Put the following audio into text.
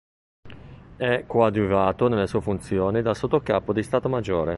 È coadiuvato nelle sue funzioni dal sottocapo di stato maggiore.